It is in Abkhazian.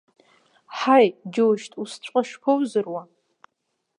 Ҳаи, џьушьҭ, усҵәҟьа шԥоузыруа?!